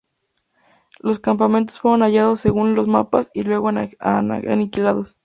Los campamentos fueron hallados según los mapas y luego aniquilados.